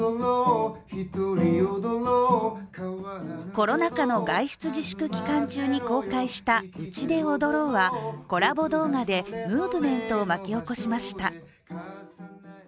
コロナ禍の外出自粛期間中に公開した「うちで踊ろう」はコラボ動画でムーブメントを巻き起こしました。